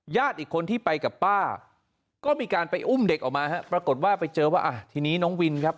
อีกคนที่ไปกับป้าก็มีการไปอุ้มเด็กออกมาฮะปรากฏว่าไปเจอว่าอ่ะทีนี้น้องวินครับ